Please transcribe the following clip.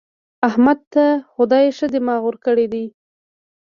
احمد ته خدای ښه دماغ ورکړی دی.